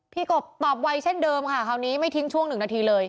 กบตอบไวเช่นเดิมค่ะคราวนี้ไม่ทิ้งช่วงหนึ่งนาทีเลย